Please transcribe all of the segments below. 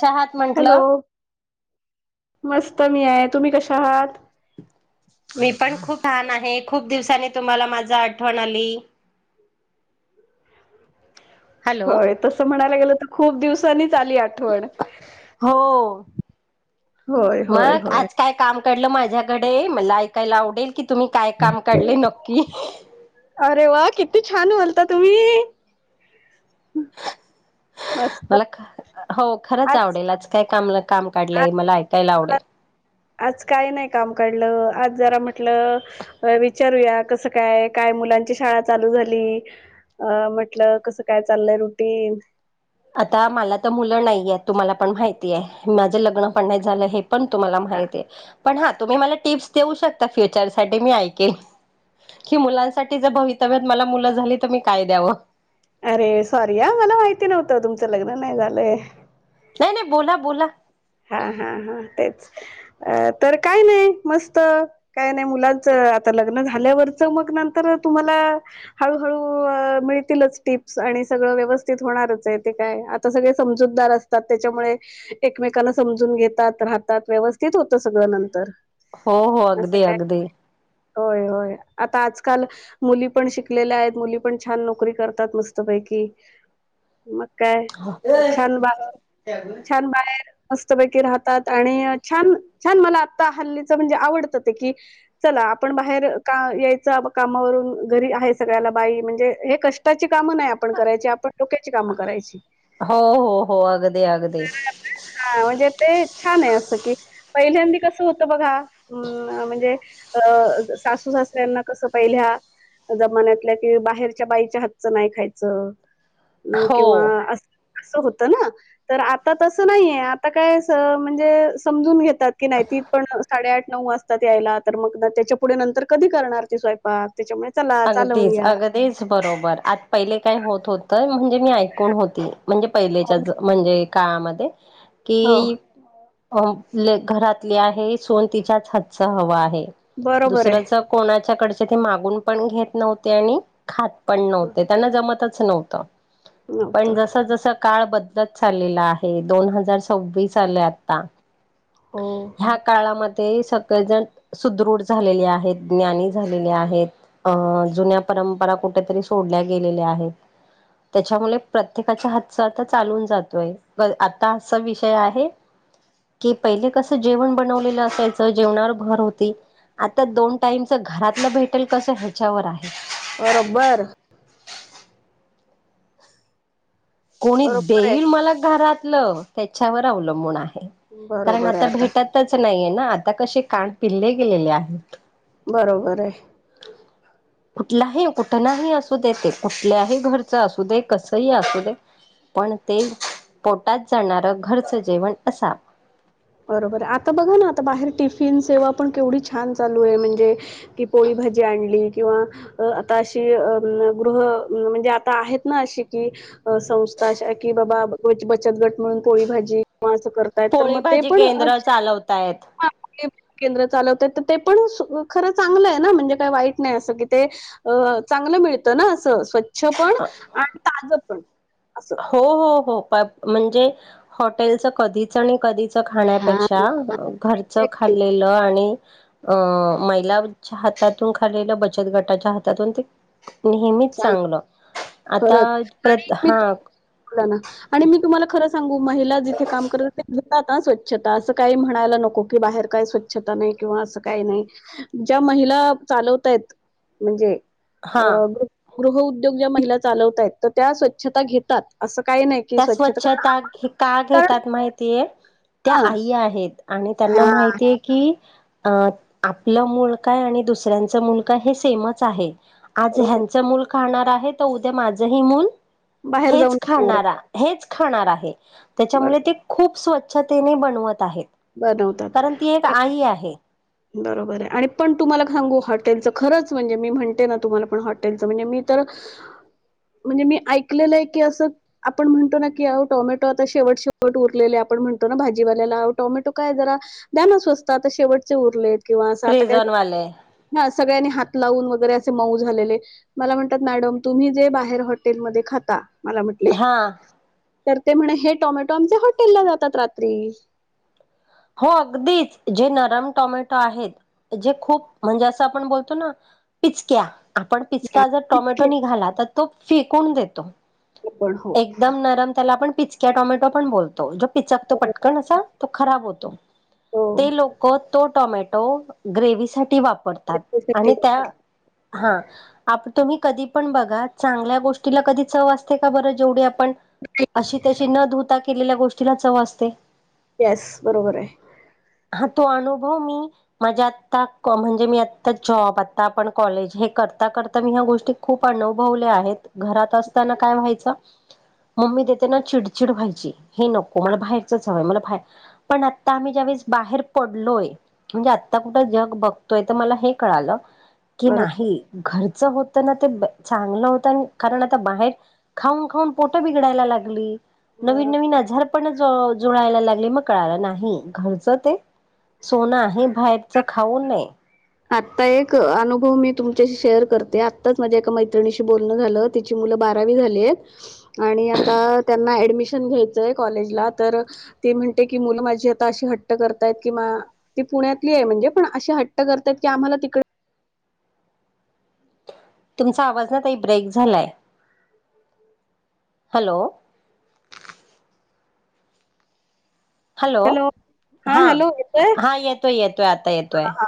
चहात हॅलो म्हंटलं. मस्त मी आहे तुम्ही कशा आहात. मी पण खूप छान आहे खूप दिवसाांनी तुम्हाला माझ आठवण आली. हॅलो होय तसं म्हणायला गेलं तर खूप दिवसांनीच. आली आठवण. हो होय होय मग होय आज काय काम कलं माझ? माझ्याकडे मला ऐकायला आवडेल की तुम्ही काय काम काढले नक्की. अरे वा किती छान बोलता तुम्ही. मस्त मला हो खरंच आज आवडेल आच काय काम काम आ- काढलंय मला ऐकायला आवडेल. आज काय नाही काम काढलं आज जरा म्हटलं विचारूया कसं काय काय. मुलांची शाळा चालू झाली अ म्हटलं कसं काय चाललय रुटीन आता मला तर मुलं नाहीय तुम्हाला पण माहिती आहे माझं लग्न पण नाही झालं हे ण तुला मा पण हा तुम्ही म टप् देऊ शकता फ्युचर सा मी ऐकल की मुलांसाठी जर भवितव्य मला मुलं झाली तर मी काय द्यावं अरे सॉरीया मला माहिती नव्हतं तुमच लग्न नाही झालंय नाही नाही बोला बोला हा हा हा तेच तर काय नाही मस्त काय नाही मुलांच आता लग्न झाल्यावरच मग नंतर तुम्हाला हळू हळू मिळतीलच टिप्स आणि सगळ व्यवस्थित होणारच आहे ते काय आता सगळे समजूतदार असतात त्याच्यामुळे एकमेक समून घेतात रा व ते होत सगळं नंतर हो हो असं अगदी काय अगदी होय होय आता आजकाल मुली पण शिकलेल्या आहेत मुली पण छान नोकरी करतात मस्तपैकी मग काय छान बाहेर छान बाहेर मस्तपैकी राहतात आणि छान छान मला आता हल्लीच म्हणजे आवडतं ते की चला आपण बाहेर का यायच कामावरून घरी आहे सगळ्याला बाई म्हणजे हे कष्टाची काम नाही आपण करायची आपण डोक्याची कामं करायची हो हो हो अगदी अगदी हा म्हणजे ते छान आहे असं की पहिल्यांदी कसं होत बघा अ म्हणजे अ सासू सासऱ्यांना कसं पाहिल्या जमान्यातल्या कि बाहेरच्या बाईच्या हातचं नाही खायचं अम् हो किंवा अस अस होत ना तर आता तसं नाहीे आता काय म्हणजे समजून घेतात की नाहीती पण साडेआठ नऊ वाजतात यायला तर मग त्याच्या पुढे नंतर कधी करणार ते स्वयंपाक त्याच्यामुळे चला चालवून अगदीच घ्या अगदीच बरोबर आता पहिले काय होत होतं म्हणजे मी ऐकून होती म्हणजे हो पहिलेच्याच म्हणजे काळामध्ये कि हो. अ घरातले आहे सोन तिच्याच हातचं हवा आहे बरोबर आहे दुसर कोणाच्या कडचे ते मागून पण घेत नव्हते आणि खात पण नव्हते त्यांना जमतच नव्हत नव्हतं पण जस जस काळ चाललेला आहे दोन हजार सव्वीस आले आता हो ह्या काळामध्ये ते सगळेजण सुदृढ झालेले आहेत ज्ञानी झालेले आहेत अ जुन्या परंपरा कुठेतरी सोडल्या गेलेल्या आहेत त्याच्यामुळे प्रत्येकाच्या हातच आता चालून जातोय आता असा विषय आहे कि पहिले कसं जेवण बनवलेलं असायचं जेवणावर भर होती आता दोन टाईमच घरातलं भेटेल कसं ह्याच्यावर आहे बरोबर कोणी बरोबर आहे देईल मला घरातलं त्याच्यावर अवलंबून आहे कारण बरोबर आहे आता भेटतच नाहीये ना आता कसे कान पिल्ले गेलेले आहेत बरोबर आहे [inaudible] कुठलाही कुठ नाही असू दे ते कुठल्याही घरचं असू दे कसंही असू दे पण ते पोटात जाणारं घरचं जेवण असा बरोबर आहे आता बघा ना आता बाहेर टिफिन सेवा पण केवढी छान चालू आहे म्हणजे की पोळी भजी आणली किंवा आता अशी अ गृह म्हणजे आता आहेत ना अशी की संस्था अशा आहे की बाबा बचत गट म्हणून पोळी भाजी किंवा अस करतायत तर पोळी मग ते भाजी पण केंद्र चालवतायत. केंद्र चालवत ते पण खरं चांगलं आहे ना म्हणजे काही वाईट नाही असं की ते चांगलं मिळतं ना असं स्वच्छ पण आणि ताज पण असं. हो हो हो म्हणजे हॉटेलच कधीच आणि कधीच हां. खाण्यापेक्षा घरचं खाल्लेलं आणि अं महिलाच्या हातातून खाल्लेलं बचत गटाच्या हातातून ते नेहमीच छान चांगलं आता हा बला ना आणि मी तुम्हाला खरं सांगू महिला जिथे काम करत स्वच्छता अस काही म्हणायला नको की बाहेर काही स्वच्छता नाही किंवा असं काही नाही ज महिला चालवतायत म्हणजे हा गृह उद्योग ज्या महिला चालवत आहेत तर त्या स्वच्छता घेतात असं काही नाही की त्या कारण स्वच्छता आपण हे का कारण घेतात माहितीय त्या हा आई आहेत आणि त्यांना हा माहितीय की अ आपलं मूल काय आणि दुसऱ्यांचं मूल काय हे सेमच आहे आज बरोबर ह्यांच मूल खाणारं आहे, तर उद्या माझही मूल बाहेर हेच जाऊन बरोबर खाणारा हेच खाणार आहे. त्याच्यामुळे, ते खूप स्वचछतेने बनवत आहे. बनवतात. कारण ती एक आई बरोबर आहे. आणि पण तुम्हाला सांगू, हॉटेलचं खरच म्हणजे मी म्हणते ना, तुम्हाला पण हॉटेलचं म्हणजे मी तर खरच? म्हणजे मी ऐकलेलं आहे की, असं आपण म्हणतो ना की, टोमॅटो आता शेवट-शेवट उरलेले आपण, म्हणतो ना - भाजीवाल्याला, आहो टोमॅटो काय जरा, द्या ना स्वस्तात आता शेवट किती उरलेत, किंवा असा आता काय? फ्रेझनवाले ह.. सगळ्यांनी हात लावून, वगैरे असे मऊ झालेले, मला म्हणतात - मॅडम तुम्ही जे बाहेर हॉटेलमध्ये खाता मला म्हटले. हा तर ते म्हणे, हे टोमॅटो आमच्या हॉटेल ला जातात रात्री. हो अगदीच, जे नरम टोमॅटो आहेत. जे खूप म्हणजे, असं आपण बोलतो ना - पिचक्या. पण हां, पिचका जर टोमॅटो इतके निघाला, तर तो फेकून देतो. पण हो एकदम नरम, त्याला आपण पिचक्या-टोमॅटो पण बोलतो. पिचकतो पटकन असा, तो खराब होतो. हो ते लोकं तो टोमॅटो ग्रेव्ही साठी वापतात, आणि त्या ह तुम्ही, कधी पण बघा, चांगल्या गोष्टीला कधी चव असते का? बरं जेवढी पण, अशी-तशी न धुता केलेल्या गोष्टीला चव असते. येस, बरोबर आहे. हा तो अनुभव मी माझ्या आता, म्हणजे मी आता जॉब, आता आपण कॉलेज हे करता-करता मी ह्या गोष्टी खूप अनुभवल्या आहेत. घरात असताना काय व्हायचं मम्मी देताना चिडचिड व्हायची, हे नको मला, बाहेरचच हवंय, मला बा पण आता आम्ही ज्यावेळेस बाहेर पडलोय, म्हणजे आता कुठं जग बघतोय, तर मला हे कळालं की बरोबर नाही, घरचं होतं ना ते चांगलं होतं, आणि कारण आता बाहेर खाऊन-खाऊन पोटं बिघडायला लागली. बर नवीन-नवीन आजारपणं जडायला लागले, मग कळाला नाही. घरचं ते सोनं आहे, बाहेरच खाऊन नये. आता एक अनुभव मी तुमच्याशी शेअर करते. आत्ताच माझ्या एका मैत्रिणीशी बोलणं झालं, तिची मुलं बारावी झालीय, आणि आता त्यांना ऍडमिशन घ्यायचंय कॉलेज ला तर - म्हणते की, मुलं माझी आता अशी हट्ट करतात कि, ती पुण्यातली आहे. म्हणजे पण मग अशी हट्ट करतात की आम्हाला तिकडे तुमचा आवाज ना? ताई ब्रेक झालाय. हॅलो.... हॅलो, हा. हॅलो येतोय हा.. येतोय-येतोय, आता येतोय. हा हा.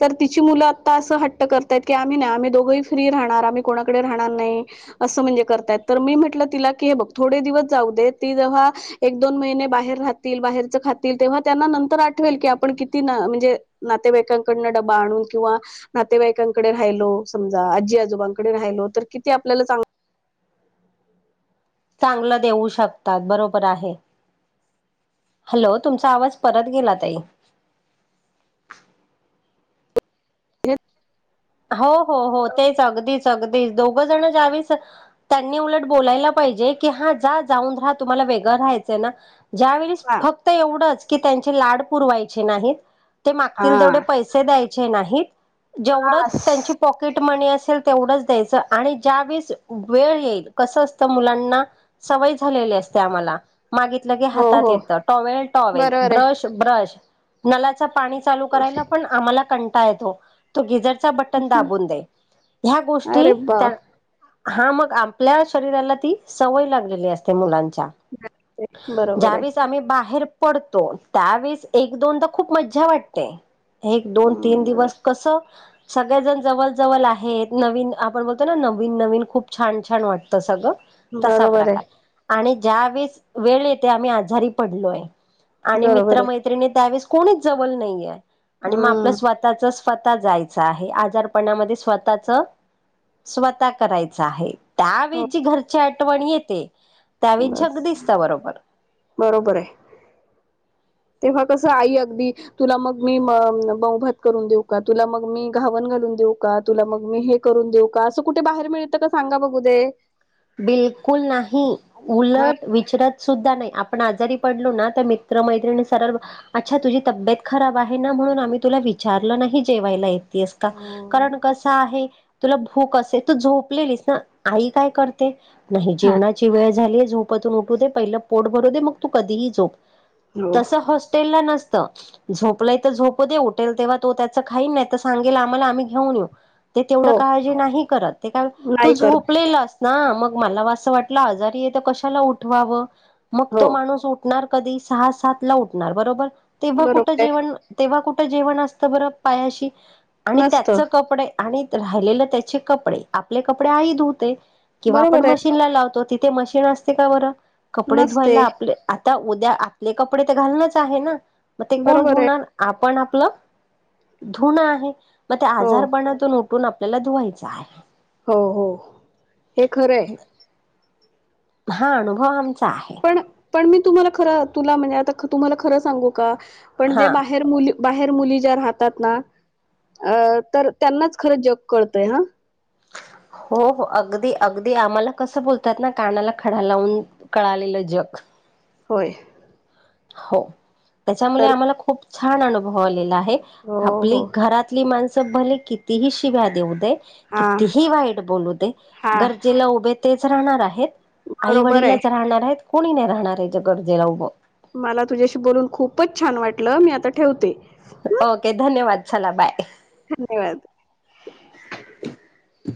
तर तिची मुलं आत्ता असं हट्ट करतायत की आम्ही नाही, आम्ही दोघंही फ्री राहणार, आम्ही कोणाकडे राहणार नाही. असं म्हणजे करतायत. तर मी म्हटलं तिला की, हे बघ थोडे दिवस जाऊ दे ती जेव्हा एक-दोन महिने बाहेर राहतील, बाहेरच खातील. तेव्हा त्यांना नंतर आठवेल की, आपण किती म्हणजे नातेवाईकांकडनं डबा आणून, किंवा नातेवाईकांकडे राहिलो समजा आजी आजोबांकडे राहिलो तर किती आपल्याला चांग चांगलं देऊ शकतात. बरोबर आहे. हॅलो, तुमचा आवाज परत गेला ताई. [unintelligible] येतं हो हो हो तेच अगदीच अगदीच दोघंजण ज्यावेळीस त्यांनी उलट बोलायला पाहिजे की हा जा जाऊन राहा तुम्हाला वेगळं रहायचंय ना ज्यावेळीस हा फक्त एवढंच की त्यांचे लाड पुरवायचे नाहीत. ते हा मागतील तेवढे पैसे द्यायचे नाहीत जेवढं त्यांची पॉकेट म्हणे असेल तेवढंच द्यायचं आणि ज्या वेळेस वेळ येईल कसं असतं मुलांना स सवय झालेली असते आम्हाला. मागितलं की हो हातात हो येत टॉवेल टॉवेल बरोबर आहे. ब्रश ब्रश नलाच नळाला पाणी चालू करायचा पण आम्हाला कंटाळा येतो तो गिझरचा दाबून दे ह्या गोष्टी अरे त्या बापरे हा मग आपल्या शरीराला ती सवय लागलेली असते मुलां च्या बरोबर आहे ज्यावेळेस आम्ही बाहेर पडतो त्यावेेळेस एक दोनदा खूप मज्जा वाटते. एक दोन तीन हम्म दिवस कसं सगळेजण जवळ जवळ आहेत नवीन आपण बोलतो ना नवीन नवीन खूप छान छान वाटतं सगळं तसा बरोबर आहे. प्रकार आणि ज्या वेस वेळ येते आम्ही आजारी पडलोय आणि बरोबर आहे मित्रमैत्रिणी त्यावेळेस कोणीच जवळ नाहीये आणि मग आपलं हम्म स्वतःच स्वतः जायचं आहे आजारपणामध्ये स्वतःच स्वतः करायचं आहे. त्यावेळी हो जी घरची आठवण येते त्यावेस जग बस दिसत बरोबर बरोबर आहे. तेव्हा कसं आई अगदी तुला मग मी माऊ भात करून देऊ का तुला मग मी घावन घालून देऊ का तुला मग मी हे करून देऊ का असं कुठे बाहेर मिळत का सांगा बघू ते बिलकुल नाही हा उलट विचरत सुद्धा नाही आपण आजारी पडलो ना त्या मित्र मैत्रिणी सर अच्छा तुझी तब्येतत खराब आहे ना म्हणून आम्ही तुला विचारलं नाही जेवायला ये तेस का हो कारण कसे आहे तुला भूक तू झोपलेलीस आई काय करते नाही हा जेवणाची वेळ झाली झोपातून उठू दे पहिलं पोट भरू दे मग तू कधीही झोप हो तसे हॉस्टेलला नस त झोपलाय तर झोप दे टेल तेव्हा तो त्याच खाईन नाही तर सांगेल आम्हाला आम्ही घेऊन येऊ ते तेवढं हो काळजी नाही करत ते का तू नाही करत झोपलेलं अस ना मग मला असं वाटलं आजारी य तर कशाला उठवावं मग हो तो माणूस उठणार कधी सहा सातला उठणार बरोबर तेव्हा कुठे बरोबर आहे जेवण जेवण असत बरं पायाशी आणि नसत त्याचे कपडे आणि राहिले त्याचे कपडे आपले कपडे आई धुते किंवा आपण बरोबर आहे मशीनला लावतो तिथे ते मशीन असते का बर कपडे नसते धुयला आपले आता उद्या आपले कपडे घालणच आहे ना मग ते कोण बरोबर आहे धुणार आपण आप आपलं धुण आहे मग ते हो आजारपणातून उठून आपल्याला धुवायचं आहे. हो हो हे खरं आहे. हा अनुभव आमचा आहे. पण पण मी तुम्हाला खर तुला म्हणजे आता तुम्हाला खरं सांगू का पण जे हा बाहेर मुली बाहेर मुली ज्या राहतात ना अ तर त्यांनाच खरं जग कळतय हा. [unintelligible] हो हो अगदी अगदी आम्हाला कसं बोलतात ना कानाला खडा लावून कळालेलं जग होय. हो त्याच्यामुळे तर आम्हाला खूप छान अनुभव आलेला आहे. हो आपली हो घरातली माणसं भले कितीही शिव्या देऊ दे हा कितीही वाईट बोलू दे हा गरजेला उभे तेच राहणार आहेत आई बरोबर आहे वडीलच राहणार आहेत कोणी नाही राहणार आहेच्या गरजेला उभे. मला तुझ्याशी बोलून खूपच छान वाटलं मी आता ठेवते. हं, ओके धन्यवाद चला बाय धन्यवाद